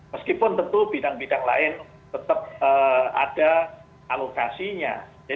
meskipun tentu bidang bidang lain tetap ada alokasinya